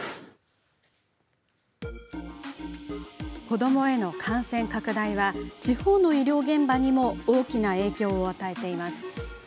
子どもへの感染拡大は地方の医療現場にも大きな影響を与えています。